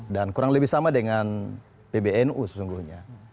dan kurang lebih sama dengan ppnu sesungguhnya